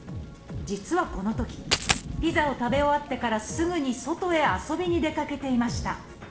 実はこのときピザを食べ終わってからすぐに外へ遊びに出かけていました。